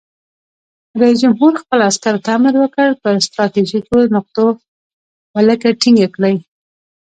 رئیس جمهور خپلو عسکرو ته امر وکړ؛ پر ستراتیژیکو نقطو ولکه ټینګه کړئ!